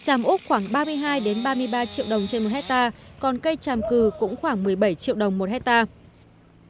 tràm úc khoảng ba mươi hai ba mươi ba triệu đồng trên một hectare còn cây tràm cừ cũng khoảng một mươi bảy triệu đồng một hectare